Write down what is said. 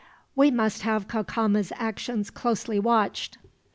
"We must have Cacama's actions closely watched.